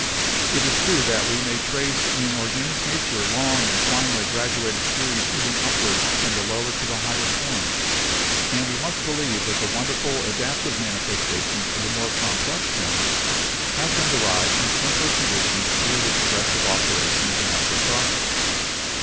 It is true that we may trace in organic nature long and finely grad uated series leading upward from the lower to the higher forms, and we must believe that the wonderful adaptive manifestations of the more complex forms have been de rived from simpler conditions through the progressive operation of natural causes.